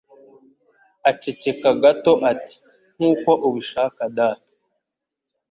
Aceceka gato ati: "Nkuko ubishaka, Data".